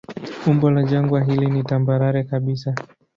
Umbo la jangwa hili ni tambarare kabisa.